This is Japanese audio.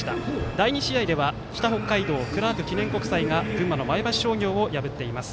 第２試合では、北北海道のクラーク記念国際が群馬の前橋商業を破っています。